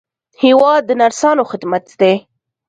هېواد د نرسانو خدمت دی.